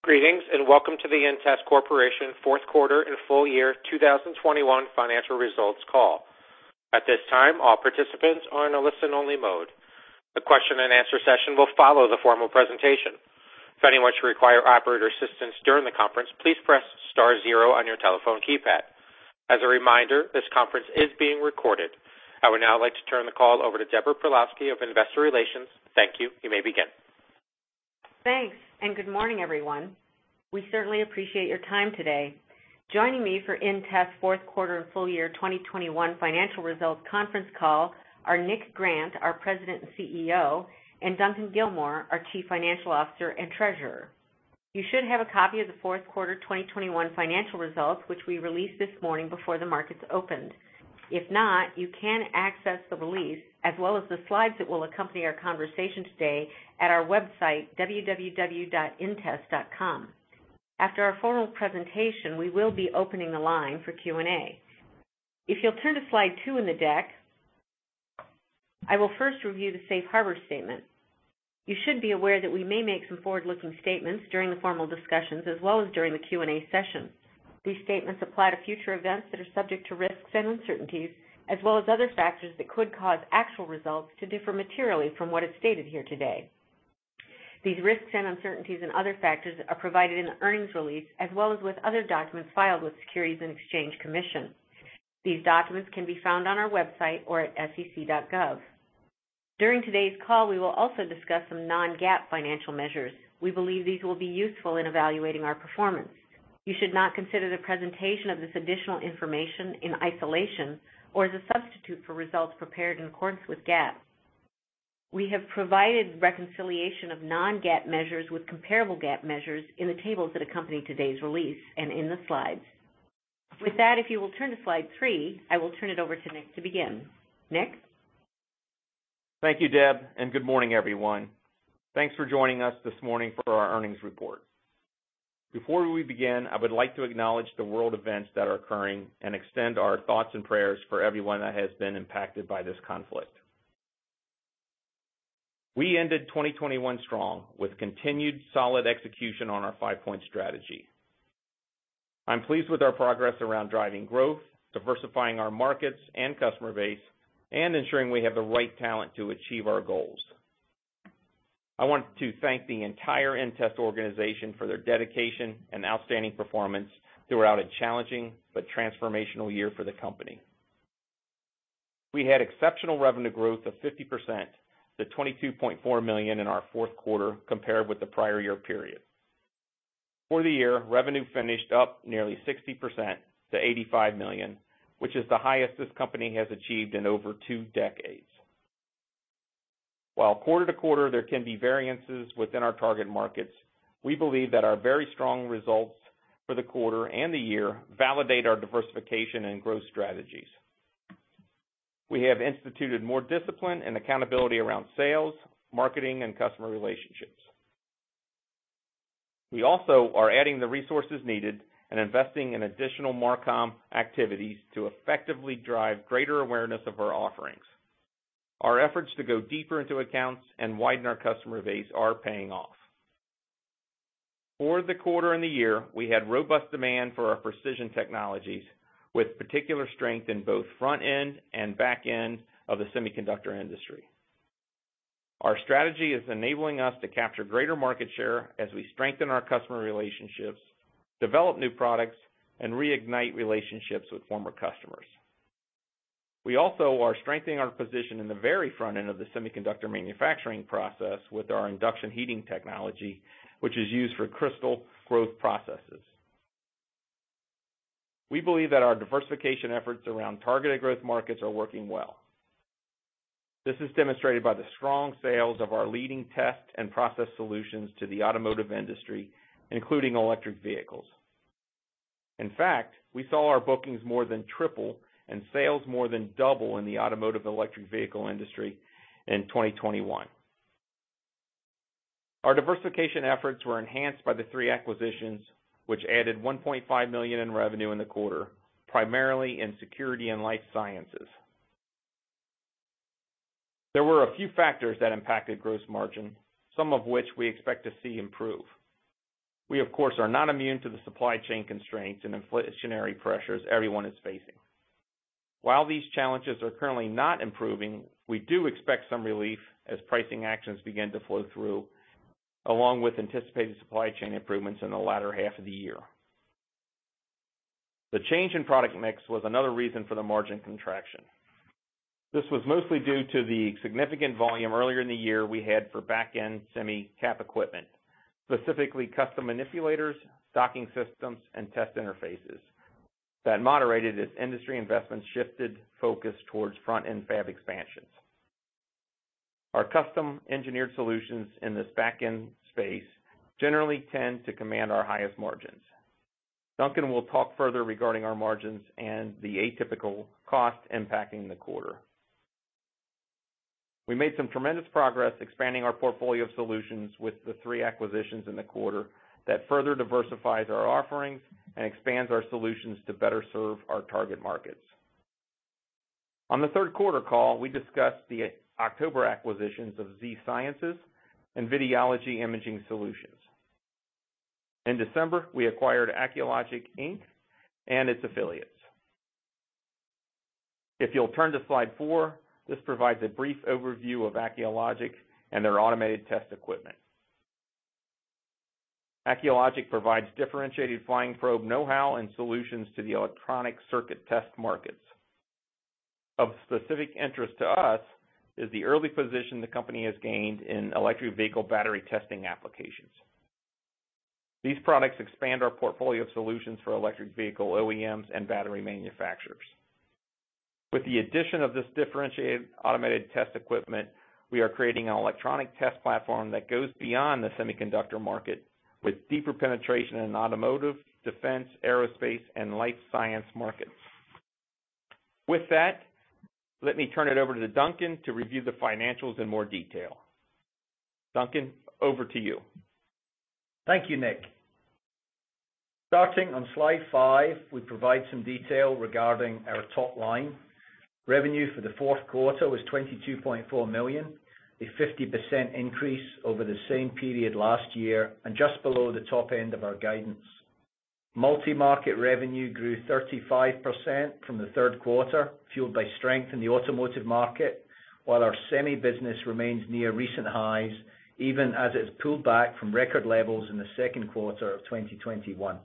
Greetings, and welcome to the inTEST Corporation fourth quarter and full year 2021 financial results call. At this time, all participants are in a listen-only mode. The question and answer session will follow the formal presentation. If anyone should require operator assistance during the conference, please press star zero on your telephone keypad. As a reminder, this conference is being recorded. I would now like to turn the call over to Deborah Pawlowski of Investor Relations. Thank you. You may begin. Thanks, and good morning, everyone. We certainly appreciate your time today. Joining me for inTEST fourth quarter and full year 2021 financial results conference call are Nick Grant, our President and CEO, and Duncan Gilmour, our Chief Financial Officer and Treasurer. You should have a copy of the fourth quarter 2021 financial results, which we released this morning before the markets opened. If not, you can access the release as well as the slides that will accompany our conversation today at our website www.intest.com. After our formal presentation, we will be opening the line for Q&A. If you'll turn to slide two in the deck, I will first review the safe harbor statement. You should be aware that we may make some forward-looking statements during the formal discussions as well as during the Q&A session. These statements apply to future events that are subject to risks and uncertainties as well as other factors that could cause actual results to differ materially from what is stated here today. These risks and uncertainties and other factors are provided in the earnings release as well as with other documents filed with Securities and Exchange Commission. These documents can be found on our website or at sec.gov. During today's call, we will also discuss some non-GAAP financial measures. We believe these will be useful in evaluating our performance. You should not consider the presentation of this additional information in isolation or as a substitute for results prepared in accordance with GAAP. We have provided reconciliation of non-GAAP measures with comparable GAAP measures in the tables that accompany today's release and in the slides. With that, if you will turn to slide three, I will turn it over to Nick to begin. Nick? Thank you, Deb, and good morning, everyone. Thanks for joining us this morning for our earnings report. Before we begin, I would like to acknowledge the world events that are occurring and extend our thoughts and prayers for everyone that has been impacted by this conflict. We ended 2021 strong with continued solid execution on our 5-Point Strategy. I'm pleased with our progress around driving growth, diversifying our markets and customer base, and ensuring we have the right talent to achieve our goals. I want to thank the entire inTEST organization for their dedication and outstanding performance throughout a challenging but transformational year for the company. We had exceptional revenue growth of 50% to $22.4 million in our fourth quarter compared with the prior year period. For the year, revenue finished up nearly 60% to $85 million, which is the highest this company has achieved in over two decades. While quarter to quarter there can be variances within our target markets, we believe that our very strong results for the quarter and the year validate our diversification and growth strategies. We have instituted more discipline and accountability around sales, marketing, and customer relationships. We also are adding the resources needed and investing in additional MarCom activities to effectively drive greater awareness of our offerings. Our efforts to go deeper into accounts and widen our customer base are paying off. For the quarter and the year, we had robust demand for our precision technologies, with particular strength in both front-end and back-end of the semiconductor industry. Our strategy is enabling us to capture greater market share as we strengthen our customer relationships, develop new products, and reignite relationships with former customers. We also are strengthening our position in the very front end of the semiconductor manufacturing process with our induction heating technology, which is used for crystal growth processes. We believe that our diversification efforts around targeted growth markets are working well. This is demonstrated by the strong sales of our leading test and process solutions to the automotive industry, including electric vehicles. In fact, we saw our bookings more than triple and sales more than double in the automotive electric vehicle industry in 2021. Our diversification efforts were enhanced by the three acquisitions, which added $1.5 million in revenue in the quarter, primarily in security and life sciences. There were a few factors that impacted gross margin, some of which we expect to see improve. We of course are not immune to the supply chain constraints and inflationary pressures everyone is facing. While these challenges are currently not improving, we do expect some relief as pricing actions begin to flow through, along with anticipated supply chain improvements in the latter half of the year. The change in product mix was another reason for the margin contraction. This was mostly due to the significant volume earlier in the year we had for back-end semi cap equipment, specifically custom manipulators, docking systems, and test interfaces. That moderated as industry investments shifted focus towards front-end fab expansions. Our custom-engineered solutions in this back-end space generally tend to command our highest margins. Duncan will talk further regarding our margins and the atypical cost impacting the quarter. We made some tremendous progress expanding our portfolio of solutions with the three acquisitions in the quarter that further diversifies our offerings and expands our solutions to better serve our target markets. On the third quarter call, we discussed the October acquisitions of Z-Sciences and Videology Imaging Solutions. In December, we acquired Acculogic Inc. and its affiliates. If you'll turn to slide four, this provides a brief overview of Acculogic and their automated test equipment. Acculogic provides differentiated flying probe know-how and solutions to the electronic circuit test markets. Of specific interest to us is the early position the company has gained in electric vehicle battery testing applications. These products expand our portfolio of solutions for electric vehicle OEMs and battery manufacturers. With the addition of this differentiated automated test equipment, we are creating an electronic test platform that goes beyond the semiconductor market with deeper penetration in automotive, defense, aerospace, and life science markets. With that, let me turn it over to Duncan to review the financials in more detail. Duncan, over to you. Thank you, Nick. Starting on slide five, we provide some detail regarding our top line. Revenue for the fourth quarter was $22.4 million, a 50% increase over the same period last year, and just below the top end of our guidance. Multi-market revenue grew 35% from the third quarter, fueled by strength in the automotive market, while our semi business remains near recent highs, even as it's pulled back from record levels in the second quarter of 2021.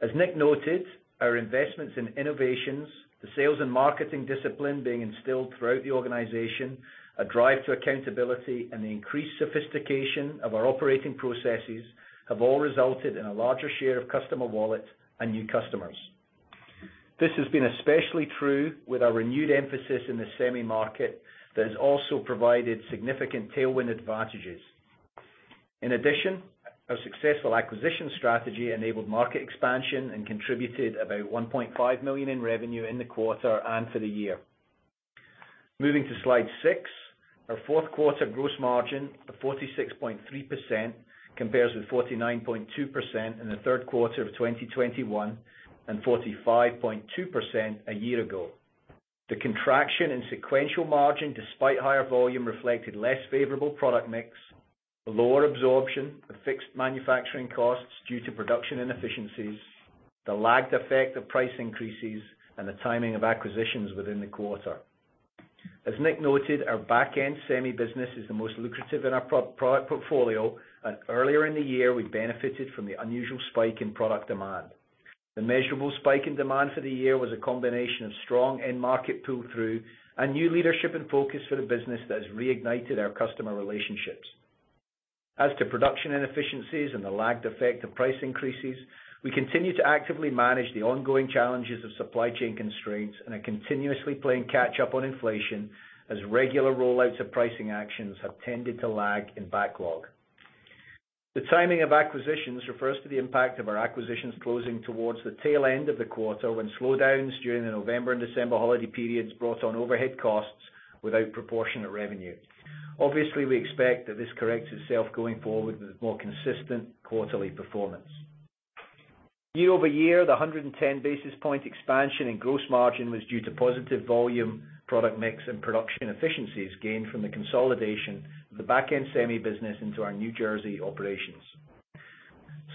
As Nick noted, our investments in innovations, the sales and marketing discipline being instilled throughout the organization, a drive to accountability, and the increased sophistication of our operating processes have all resulted in a larger share of customer wallet and new customers. This has been especially true with our renewed emphasis in the semi market that has also provided significant tailwind advantages. In addition, our successful acquisition strategy enabled market expansion and contributed about $1.5 million in revenue in the quarter and for the year. Moving to slide six. Our fourth quarter gross margin of 46.3% compares with 49.2% in the third quarter of 2021 and 45.2% a year ago. The contraction in sequential margin, despite higher volume, reflected less favorable product mix, the lower absorption of fixed manufacturing costs due to production inefficiencies, the lagged effect of price increases, and the timing of acquisitions within the quarter. As Nick noted, our back-end semi business is the most lucrative in our product portfolio, and earlier in the year, we benefited from the unusual spike in product demand. The measurable spike in demand for the year was a combination of strong end market pull-through and new leadership and focus for the business that has reignited our customer relationships. As to production inefficiencies and the lagged effect of price increases, we continue to actively manage the ongoing challenges of supply chain constraints and are continuously playing catch up on inflation as regular rollouts of pricing actions have tended to lag in backlog. The timing of acquisitions refers to the impact of our acquisitions closing towards the tail end of the quarter, when slowdowns during the November and December holiday periods brought on overhead costs without proportionate revenue. Obviously, we expect that this corrects itself going forward with more consistent quarterly performance. Year over year, the 110 basis point expansion in gross margin was due to positive volume, product mix, and production efficiencies gained from the consolidation of the back-end semi business into our New Jersey operations.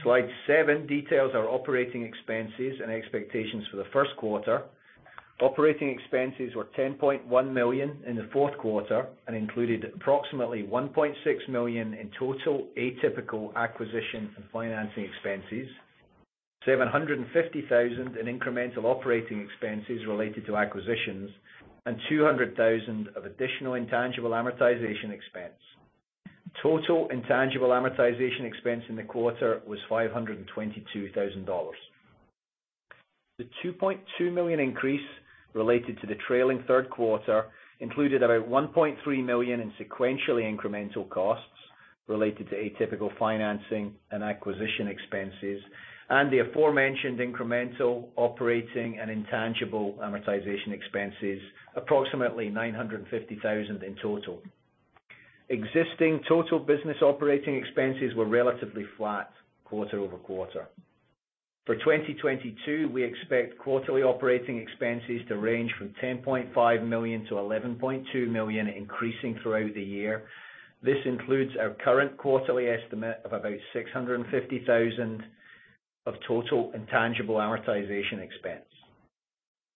Slide seven details our operating expenses and expectations for the first quarter. Operating expenses were $10.1 million in the fourth quarter and included approximately $1.6 million in total atypical acquisition and financing expenses, $750,000 in incremental operating expenses related to acquisitions, and $200,000 of additional intangible amortization expense. Total intangible amortization expense in the quarter was $522,000. The $2.2 million increase related to the trailing third quarter included about $1.3 million in sequentially incremental costs related to atypical financing and acquisition expenses and the aforementioned incremental operating and intangible amortization expenses, approximately $950,000 in total. Existing total business operating expenses were relatively flat quarter-over-quarter. For 2022, we expect quarterly operating expenses to range from $10.5 million-$11.2 million increasing throughout the year. This includes our current quarterly estimate of about $650,000 of total intangible amortization expense.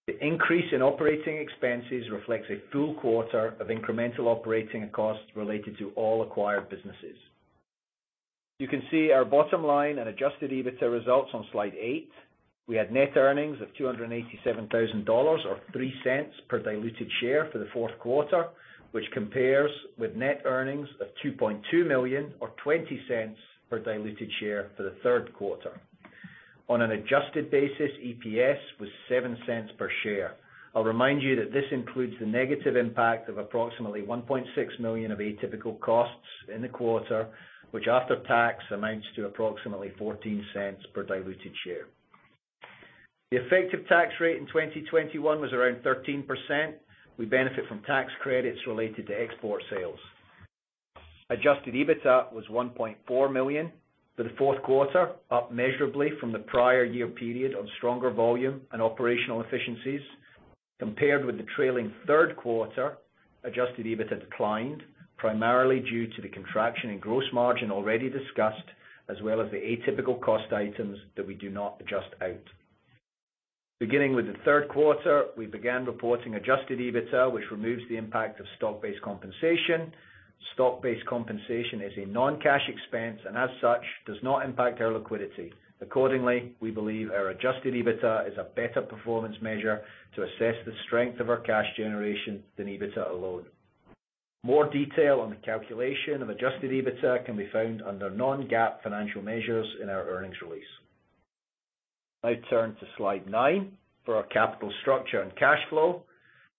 The increase in operating expenses reflects a full quarter of incremental operating costs related to all acquired businesses. You can see our bottom line and adjusted EBITDA results on slide eight. We had net earnings of $287,000 or 0.3 per diluted share for the fourth quarter, which compares with net earnings of $2.2 million or 0.20 per diluted share for the third quarter. On an adjusted basis, EPS was 0.7 per share. I'll remind you that this includes the negative impact of approximately $1.6 million of atypical costs in the quarter, which after tax amounts to approximately 0.14 per diluted share. The effective tax rate in 2021 was around 13%. We benefit from tax credits related to export sales. Adjusted EBITDA was $1.4 million for the fourth quarter, up measurably from the prior year period of stronger volume and operational efficiencies. Compared with the trailing third quarter, Adjusted EBITDA declined, primarily due to the contraction in gross margin already discussed, as well as the atypical cost items that we do not adjust out. Beginning with the third quarter, we began reporting Adjusted EBITDA, which removes the impact of stock-based compensation. Stock-based compensation is a non-cash expense and as such, does not impact our liquidity. Accordingly, we believe our adjusted EBITDA is a better performance measure to assess the strength of our cash generation than EBITDA alone. More detail on the calculation of Adjusted EBITDA can be found under Non-GAAP Financial Measures in our earnings release. I turn to slide nine for our capital structure and cash flow.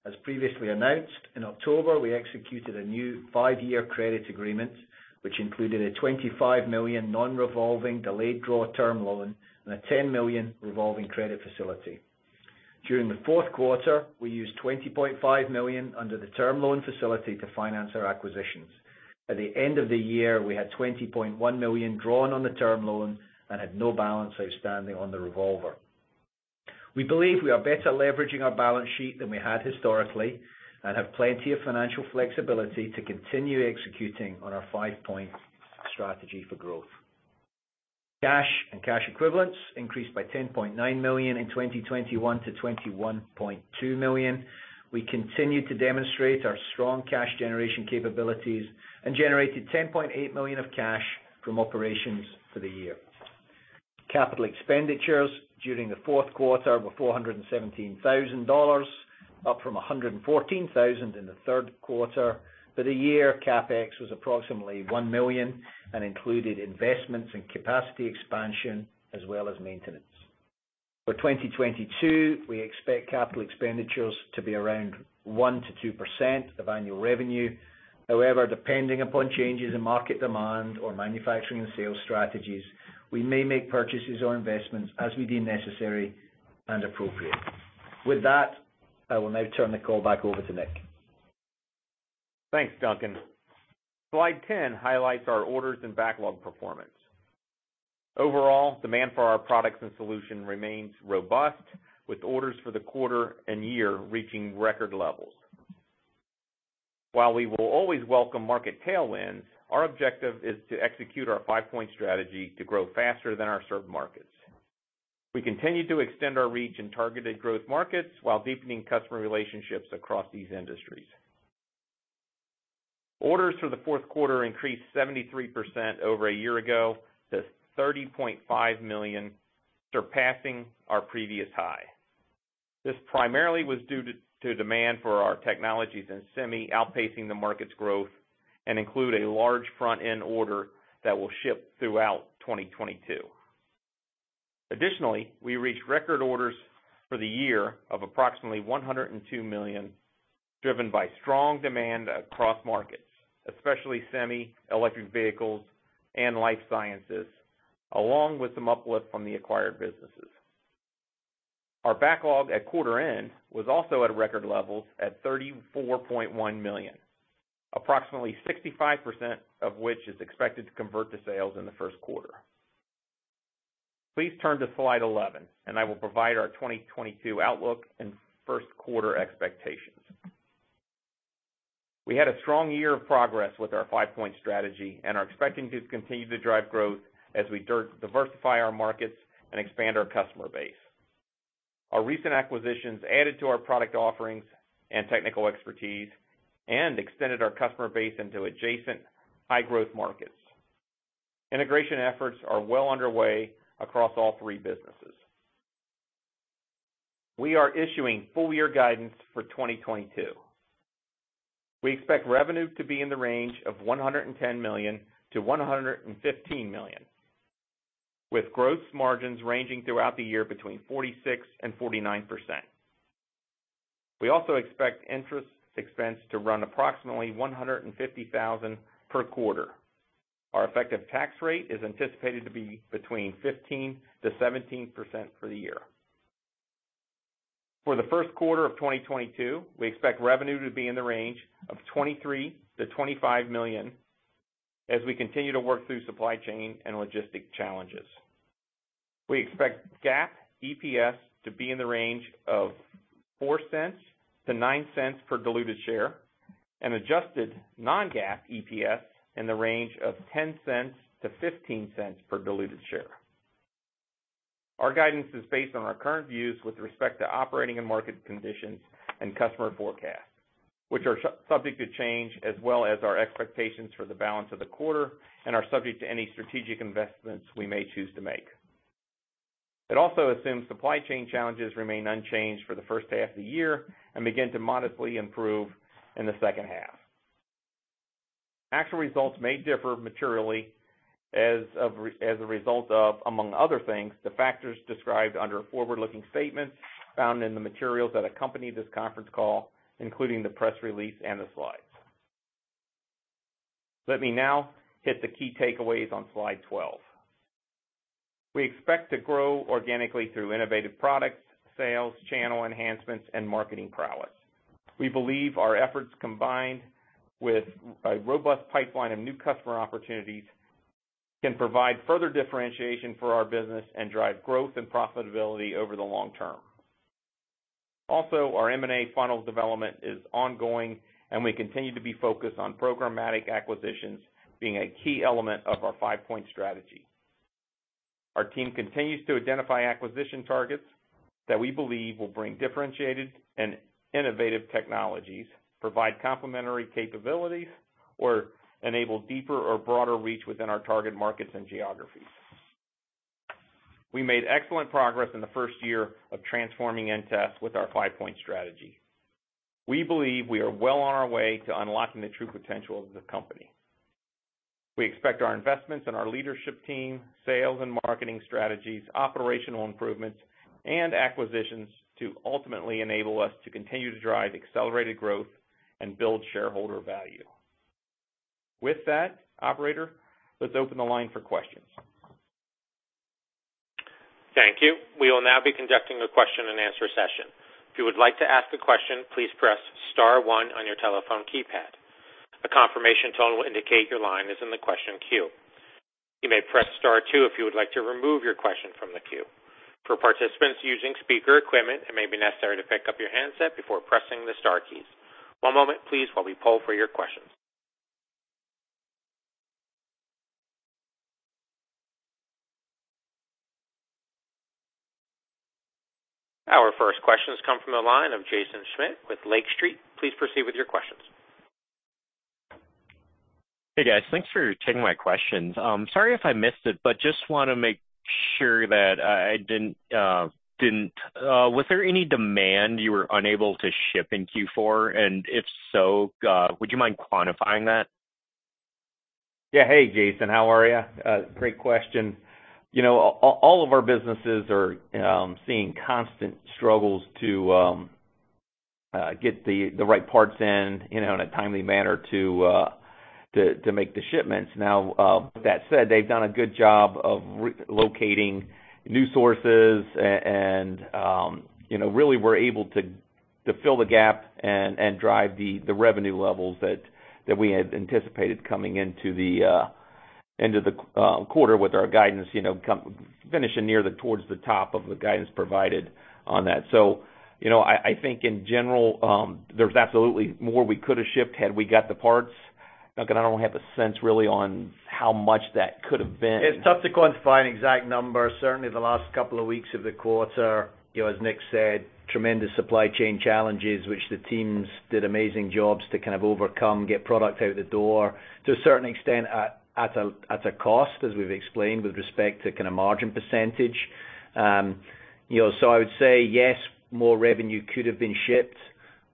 As previously announced in October, we executed a new five-year credit agreement, which included a $25 million non-revolving delayed draw term loan and a $10 million revolving credit facility. During the fourth quarter, we used $20.5 million under the term loan facility to finance our acquisitions. At the end of the year, we had $20.1 million drawn on the term loan and had no balance outstanding on the revolver. We believe we are better leveraging our balance sheet than we had historically, and have plenty of financial flexibility to continue executing on our 5-Point Strategy for growth. Cash and cash equivalents increased by $10.9 million in 2021 to $21.2 million. We continue to demonstrate our strong cash generation capabilities and generated $10.8 million of cash from operations for the year. Capital expenditures during the fourth quarter were $417,000, up from $114,000 in the third quarter. For the year, CapEx was approximately $1 million and included investments in capacity expansion as well as maintenance. For 2022, we expect capital expenditures to be around 1%-2% of annual revenue. However, depending upon changes in market demand or manufacturing and sales strategies, we may make purchases or investments as we deem necessary and appropriate. With that, I will now turn the call back over to Nick. Thanks, Duncan. Slide 10 highlights our orders and backlog performance. Overall, demand for our products and solution remains robust, with orders for the quarter and year reaching record levels. While we will always welcome market tailwinds, our objective is to execute our 5-Point Strategy to grow faster than our served markets. We continue to extend our reach in targeted growth markets while deepening customer relationships across these industries. Orders for the fourth quarter increased 73% over a year ago to $30.5 million, surpassing our previous high. This primarily was due to demand for our technologies in semi outpacing the market's growth and include a large front-end order that will ship throughout 2022. Additionally, we reached record orders for the year of approximately $102 million, driven by strong demand across markets, especially semi, electric vehicles, and life sciences, along with some uplift from the acquired businesses. Our backlog at quarter end was also at record levels at $34.1 million. Approximately 65% of which is expected to convert to sales in the first quarter. Please turn to slide 11, and I will provide our 2022 outlook and first quarter expectations. We had a strong year of progress with our 5-Point Strategy and are expecting to continue to drive growth as we diversify our markets and expand our customer base. Our recent acquisitions added to our product offerings and technical expertise and extended our customer base into adjacent high growth markets. Integration efforts are well underway across all three businesses. We are issuing full year guidance for 2022. We expect revenue to be in the range of $110 million-$115 million, with gross margins ranging throughout the year between 46%-49%. We also expect interest expense to run approximately $150,000 per quarter. Our effective tax rate is anticipated to be between 15%-17% for the year. For the first quarter of 2022, we expect revenue to be in the range of $23 million-$25 million as we continue to work through supply chain and logistic challenges. We expect GAAP EPS to be in the range of $0.04-$0.09 per diluted share, and adjusted non-GAAP EPS in the range of $0.10-$0.15 per diluted share. Our guidance is based on our current views with respect to operating and market conditions and customer forecasts, which are subject to change as well as our expectations for the balance of the quarter and are subject to any strategic investments we may choose to make. It also assumes supply chain challenges remain unchanged for the first half of the year and begin to modestly improve in the second half. Actual results may differ materially as a result of, among other things, the factors described under forward-looking statements found in the materials that accompany this conference call, including the press release and the slides. Let me now hit the key takeaways on slide 12. We expect to grow organically through innovative products, sales, channel enhancements, and marketing prowess. We believe our efforts, combined with a robust pipeline of new customer opportunities, can provide further differentiation for our business and drive growth and profitability over the long term. Also, our M&A funnel development is ongoing, and we continue to be focused on programmatic acquisitions, being a key element of our 5-Point Strategy. Our team continues to identify acquisition targets that we believe will bring differentiated and innovative technologies, provide complementary capabilities, or enable deeper or broader reach within our target markets and geographies. We made excellent progress in the first year of transforming inTEST with our 5-Point Strategy. We believe we are well on our way to unlocking the true potential of the company. We expect our investments in our leadership team, sales and marketing strategies, operational improvements, and acquisitions to ultimately enable us to continue to drive accelerated growth and build shareholder value. With that, Operator, let's open the line for questions. Thank you. We will now be conducting a question-and-answer session. If you would like to ask a question, please press star one on your telephone keypad. A confirmation tone will indicate your line is in the question queue. You may press star two if you would like to remove your question from the queue. For participants using speaker equipment, it may be necessary to pick up your handset before pressing the star keys. One moment please while we poll for your questions. Our first question has come from the line of Jaeson Schmidt with Lake Street. Please proceed with your questions. Hey, guys. Thanks for taking my questions. Sorry if I missed it, but just wanna make sure that I didn't. Was there any demand you were unable to ship in Q4? If so, would you mind quantifying that? Yeah. Hey, Jaeson. How are you? Great question. You know, all of our businesses are seeing constant struggles to get the right parts in, you know, in a timely manner to make the shipments. Now, with that said, they've done a good job of relocating new sources and, you know, really were able to fill the gap and drive the revenue levels that we had anticipated coming into the quarter with our guidance, you know, finishing near towards the top of the guidance provided on that. You know, I think in general, there's absolutely more we could have shipped had we got the parts. Look, I don't have a sense really on how much that could have been. It's tough to quantify an exact number. Certainly the last couple of weeks of the quarter, you know, as Nick said, tremendous supply chain challenges, which the teams did amazing jobs to kind of overcome, get product out the door to a certain extent at a cost, as we've explained, with respect to kinda margin percentage. You know, so I would say yes, more revenue could have been shipped,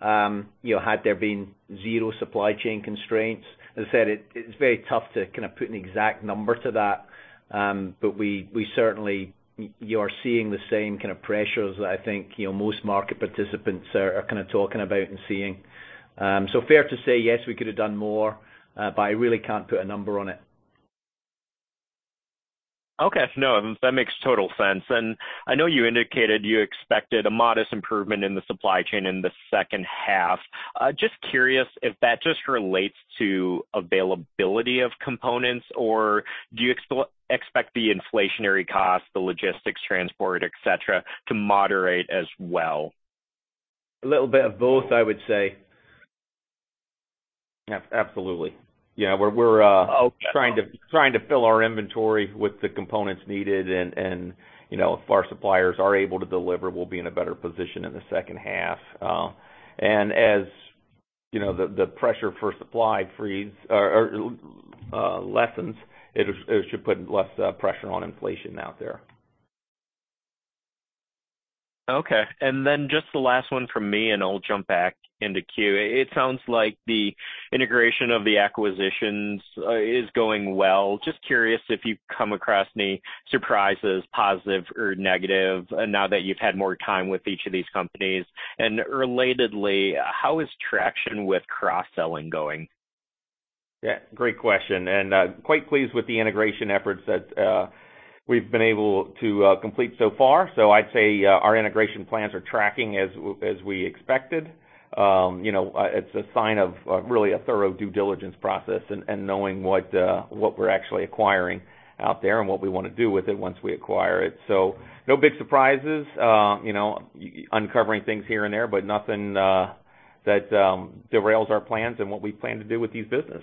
you know, had there been zero supply chain constraints. As I said, it's very tough to kind of put an exact number to that. But we certainly. You are seeing the same kind of pressures that I think, you know, most market participants are kind of talking about and seeing. So fair to say yes, we could have done more, but I really can't put a number on it. Okay. No, that makes total sense. I know you indicated you expected a modest improvement in the supply chain in the second half. Just curious if that just relates to availability of components, or do you expect the inflationary costs, the logistics, transport, et cetera, to moderate as well? A little bit of both, I would say. Absolutely. Yeah, we're trying to. Okay. Trying to fill our inventory with the components needed, you know, if our suppliers are able to deliver, we'll be in a better position in the second half. As you know, the pressure from supply freeze lessens, it should put less pressure on inflation out there. Okay. Then just the last one from me, and I'll jump back in the queue. It sounds like the integration of the acquisitions is going well. Just curious if you've come across any surprises, positive or negative, now that you've had more time with each of these companies. Relatedly, how is traction with cross-selling going? Yeah, great question. Quite pleased with the integration efforts that we've been able to complete so far. I'd say our integration plans are tracking as we expected. You know, it's a sign of really a thorough due diligence process and knowing what we're actually acquiring out there and what we wanna do with it once we acquire it. No big surprises. You know, uncovering things here and there, but nothing that derails our plans and what we plan to do with these business.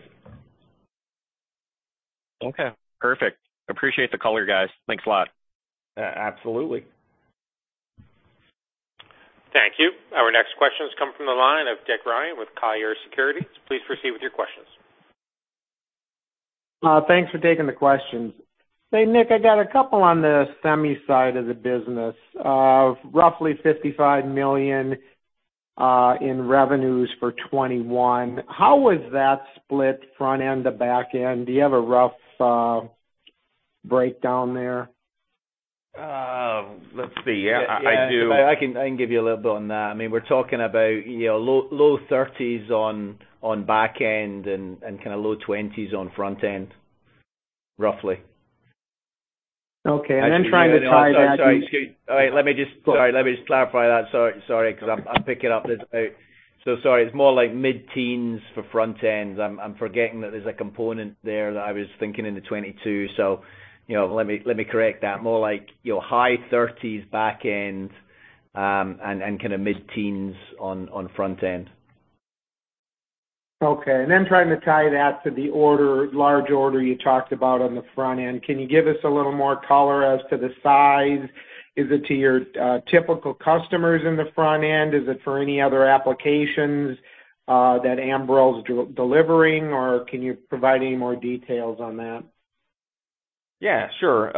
Okay, perfect. Appreciate the color, guys. Thanks a lot. A-absolutely. Thank you. Our next question has come from the line of Dick Ryan with Colliers Securities. Please proceed with your questions. Thanks for taking the questions. Hey, Nick, I got a couple on the semi side of the business. Roughly $55 million in revenues for 2021, how was that split front end to back end? Do you have a rough breakdown there? Let's see. Yeah, I do- Yeah, I can give you a little bit on that. I mean, we're talking about, you know, low 30s on back end and kinda low 20s on front end, roughly. Okay. Trying to tie that. Sorry, excuse me. Go on. Sorry, let me just clarify that. Sorry, 'cause I'm picking this up. Sorry, it's more like mid-teens for front end. I'm forgetting that there's a component there that I was thinking in the 22%. You know, let me correct that. More like, you know, high 30s% back end, and kinda mid-teens on front end. Okay. Trying to tie that to the order, large order you talked about on the front end. Can you give us a little more color as to the size? Is it to your typical customers in the front end? Is it for any other applications that Ambrell's delivering? Or can you provide any more details on that? Yeah, sure.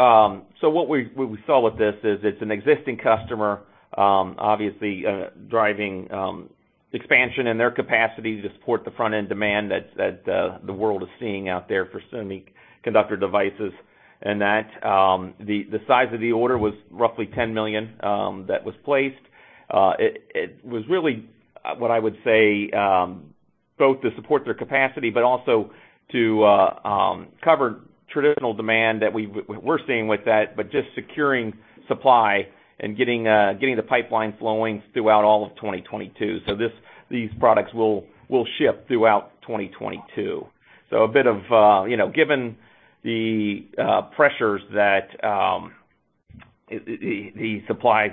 What we saw with this is it is an existing customer, obviously, driving expansion in their capacity to support the front-end demand that the world is seeing out there for semiconductor devices. That the size of the order was roughly $10 million that was placed. It was really what I would say both to support their capacity, but also to cover traditional demand that we're seeing with that, but just securing supply and getting the pipeline flowing throughout all of 2022. These products will ship throughout 2022. A bit of, you know, given the pressures that the supply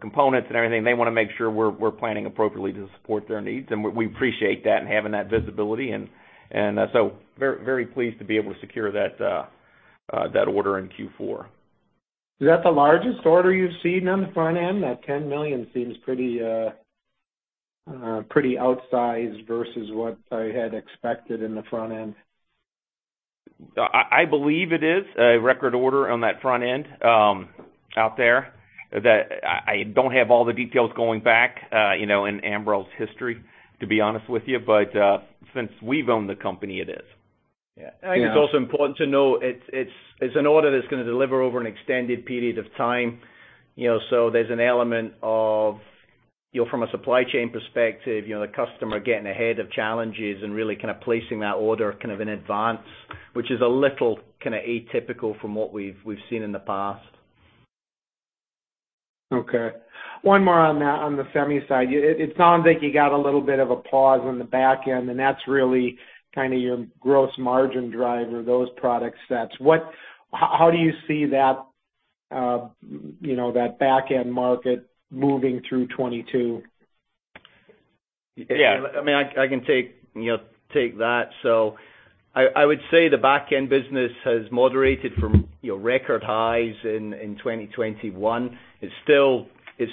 components and everything, they wanna make sure we're planning appropriately to support their needs. We appreciate that and having that visibility and so very pleased to be able to secure that order in Q4. Is that the largest order you've seen on the front end? That $10 million seems pretty outsized versus what I had expected in the front end. I believe it is a record order on that front end, out there, that I don't have all the details going back, you know, in Ambrell's history, to be honest with you. Since we've owned the company, it is. Yeah. Yeah. I think it's also important to know it's an order that's gonna deliver over an extended period of time. You know, so there's an element of, you know, from a supply chain perspective, you know, the customer getting ahead of challenges and really kind of placing that order kind of in advance, which is a little kinda atypical from what we've seen in the past. Okay. One more on that, on the semi side. It sounds like you got a little bit of a pause on the back end, and that's really kinda your gross margin driver, those product sets. What, how do you see that, you know, that back end market moving through 2022? Yeah. I mean, I can take that, you know. I would say the back end business has moderated from, you know, record highs in 2021. It's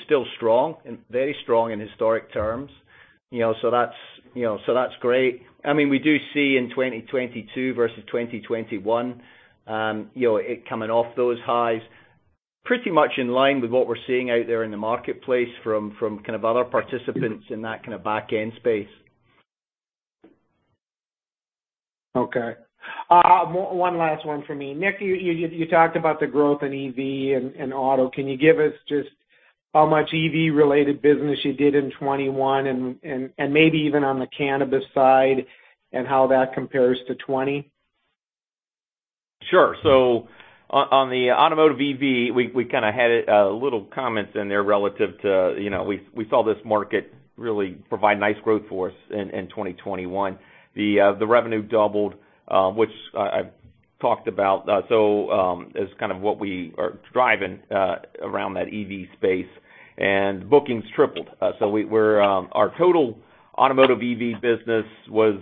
still strong, and very strong in historic terms. You know, that's great. I mean, we do see in 2022 versus 2021, you know, it coming off those highs pretty much in line with what we're seeing out there in the marketplace from kind of other participants in that kind of back end space. Okay. One last one for me. Nick, you talked about the growth in EV and auto. Can you give us just how much EV-related business you did in 2021 and maybe even on the cannabis side and how that compares to 2020? Sure. On the automotive EV, we kinda had little comments in there relative to, you know, we saw this market really provide nice growth for us in 2021. The revenue doubled, which I've talked about, as kind of what we are driving around that EV space. Bookings tripled. Our total automotive EV business was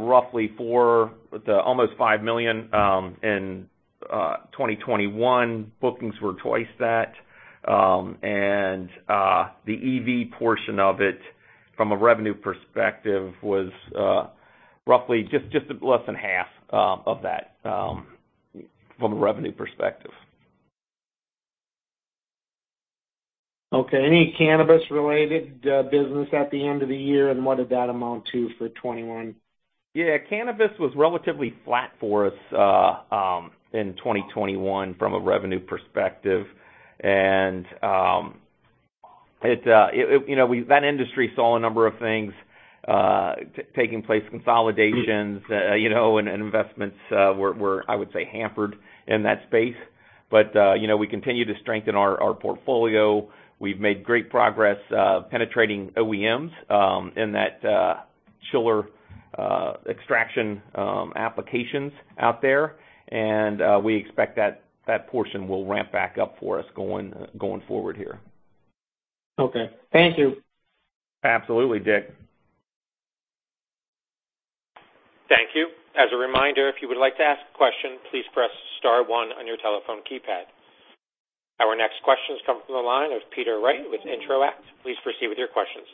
roughly $4 million to almost $5 million in 2021. Bookings were twice that. The EV portion of it from a revenue perspective was roughly just less than half of that from a revenue perspective. Okay. Any Cannabis-related business at the end of the year, and what did that amount to for 2021? Yeah. Cannabis was relatively flat for us in 2021 from a revenue perspective. It you know that industry saw a number of things taking place, consolidations, you know, and investments were, I would say, hampered in that space. We continue to strengthen our portfolio. We've made great progress penetrating OEMs in that chiller extraction applications out there. We expect that portion will ramp back up for us going forward here. Okay. Thank you. Absolutely, Dick. Thank you. As a reminder, if you would like to ask a question, please press star one on your telephone keypad. Our next question is coming from the line of Peter Wright with Intro-act. Please proceed with your questions.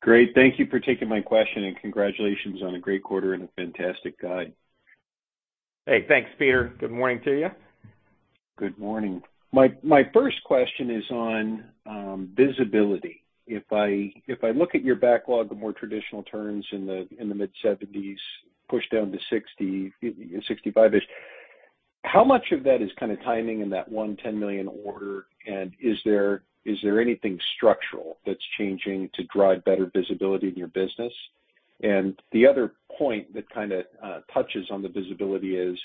Great. Thank you for taking my question, and congratulations on a great quarter and a fantastic guide. Hey, thanks, Peter. Good morning to you. Good morning. My first question is on visibility. If I look at your backlog, the more traditional turns in the mid-seventies pushed down to 60, you know, 65-ish. How much of that is kind of timing in that one $10 million order, and is there anything structural that's changing to drive better visibility in your business? The other point that kind of touches on the visibility is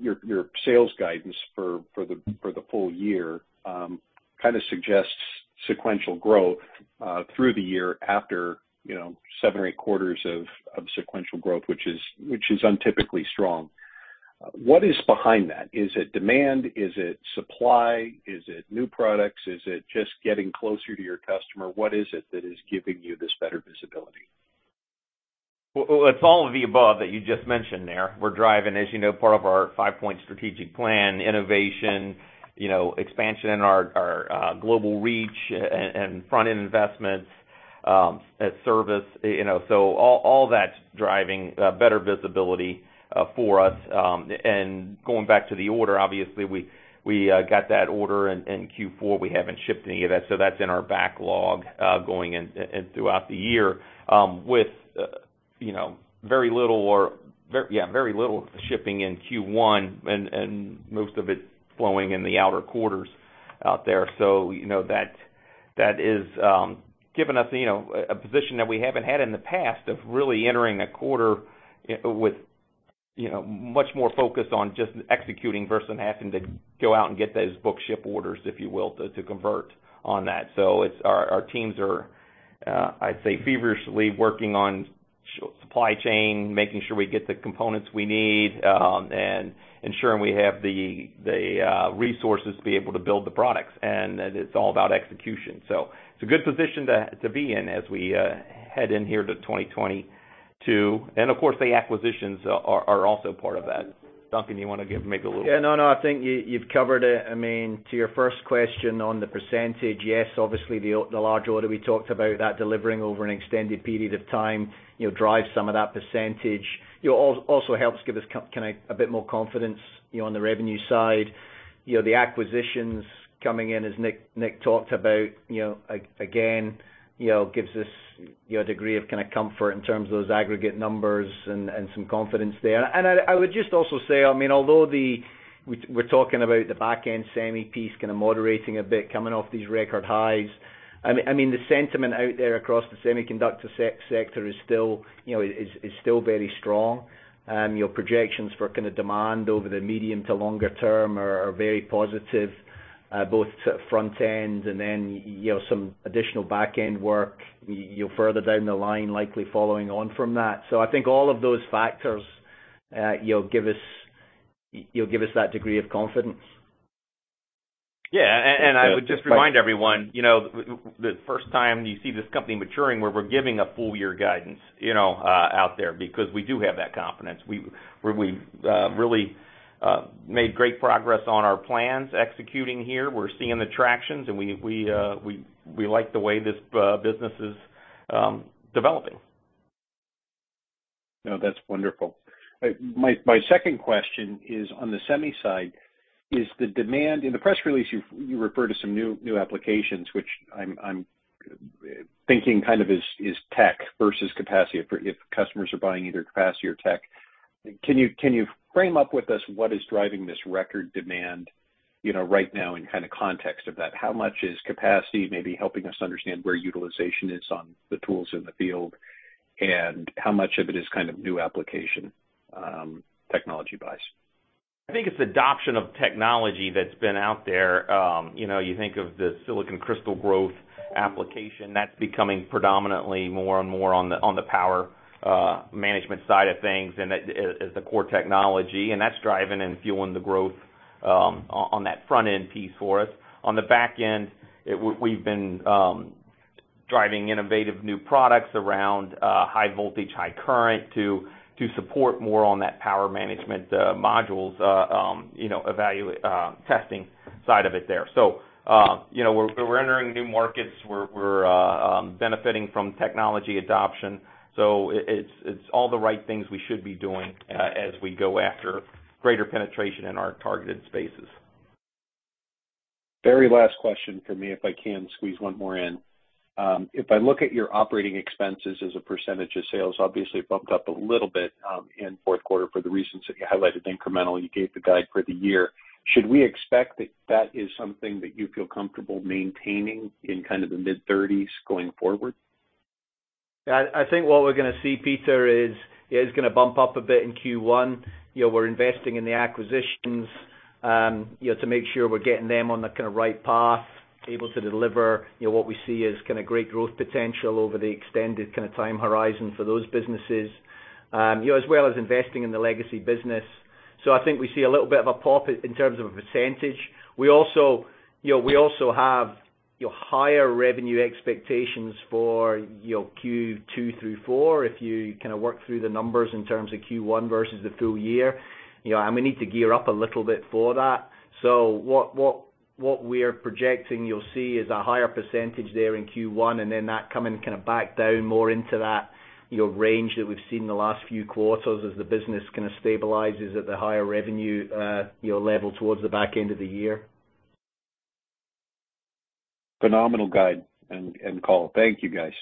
your sales guidance for the full year kind of suggests sequential growth through the year after you know seven or eight quarters of sequential growth, which is atypically strong. What is behind that? Is it demand? Is it supply? Is it new products? Is it just getting closer to your customer? What is it that is giving you this better visibility? Well, it's all of the above that you just mentioned there. We're driving, as you know, part of our 5-Point Strategic Plan, innovation, you know, expansion in our global reach and front-end investments and service, you know. All that's driving better visibility for us. Going back to the order, obviously we got that order in Q4. We haven't shipped any of that, so that's in our backlog going into the year with you know, very little shipping in Q1 and most of it flowing in the latter quarters out there. You know, that is giving us, you know, a position that we haven't had in the past of really entering a quarter with, you know, much more focus on just executing versus having to go out and get those book ship orders, if you will, to convert on that. It's our teams are, I'd say, feverishly working on supply chain, making sure we get the components we need, and ensuring we have the resources to be able to build the products. It's all about execution. It's a good position to be in as we head into 2022. Of course, the acquisitions are also part of that. Duncan, do you wanna give maybe a little- Yeah. No, no, I think you've covered it. I mean, to your first question on the percentage, yes, obviously the large order we talked about, that delivering over an extended period of time, you know, drives some of that percentage. You know, also helps give us kind of a bit more confidence, you know, on the revenue side. You know, the acquisitions coming in, as Nick talked about, you know, again, you know, gives us, you know, a degree of kind of comfort in terms of those aggregate numbers and some confidence there. I would just also say, I mean, although we're talking about the back-end semi piece kind of moderating a bit coming off these record highs, I mean, the sentiment out there across the semiconductor sector is still, you know, is still very strong. You know, projections for kind of demand over the medium to longer term are very positive, both to front end and then, you know, some additional back-end work, you know, further down the line, likely following on from that. I think all of those factors, you know, give us that degree of confidence. Yeah. I would just remind everyone, you know, the first time you see this company maturing, where we're giving a full year guidance, you know, out there because we do have that confidence. Where we've really made great progress on our plans executing here. We're seeing the traction and we like the way this business is developing. No, that's wonderful. My second question is on the semi side. Is the demand? In the press release, you refer to some new applications, which I'm thinking kind of is tech versus capacity, if customers are buying either capacity or tech. Can you frame up with us what is driving this record demand, you know, right now in kind of context of that? How much is capacity maybe helping us understand where utilization is on the tools in the field, and how much of it is kind of new application technology-wise? I think it's adoption of technology that's been out there. You know, you think of the silicon crystal growth application that's becoming predominantly more and more on the power management side of things and it as the core technology, and that's driving and fueling the growth on that front-end piece for us. On the back end, we've been driving innovative new products around high voltage, high current to support more on that power management modules testing side of it there. You know, we're benefiting from technology adoption. It's all the right things we should be doing as we go after greater penetration in our targeted spaces. Very last question for me, if I can squeeze one more in. If I look at your operating expenses as a percentage of sales, obviously it bumped up a little bit in fourth quarter for the reasons that you highlighted incremental, you gave the guide for the year. Should we expect that is something that you feel comfortable maintaining in kind of the mid-30s going forward? Yeah. I think what we're gonna see, Peter, is it is gonna bump up a bit in Q1. You know, we're investing in the acquisitions, you know, to make sure we're getting them on the kind of right path, able to deliver, you know, what we see as kind of great growth potential over the extended kind of time horizon for those businesses, you know, as well as investing in the legacy business. I think we see a little bit of a pop in terms of a percentage. We also have higher revenue expectations for Q2 through Q4 if you kind of work through the numbers in terms of Q1 versus the full year. You know, we need to gear up a little bit for that. What we're projecting you'll see is a higher percentage there in Q1, and then that coming kind of back down more into that, you know, range that we've seen in the last few quarters as the business kind of stabilizes at the higher revenue, you know, level towards the back end of the year. Phenomenal guide and call. Thank you, guys.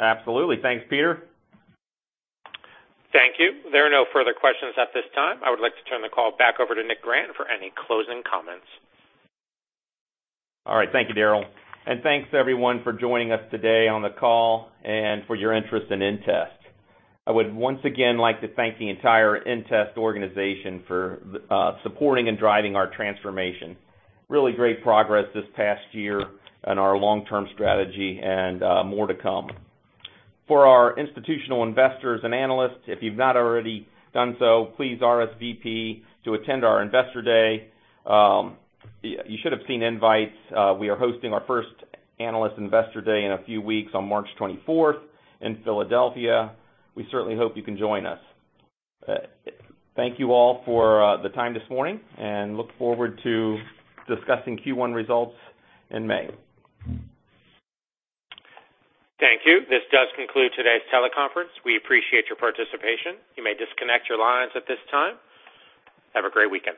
Absolutely. Thanks, Peter. Thank you. There are no further questions at this time. I would like to turn the call back over to Nick Grant for any closing comments. All right. Thank you, Daryl. Thanks everyone for joining us today on the call and for your interest in inTEST. I would once again like to thank the entire inTEST organization for supporting and driving our transformation. Really great progress this past year on our long-term strategy and more to come. For our institutional investors and analysts, if you've not already done so, please RSVP to attend our Investor Day. You should have seen invites. We are hosting our first analyst Investor Day in a few weeks on March 24th in Philadelphia. We certainly hope you can join us. Thank you all for the time this morning, and look forward to discussing Q1 results in May. Thank you. This does conclude today's teleconference. We appreciate your participation. You may disconnect your lines at this time. Have a great weekend.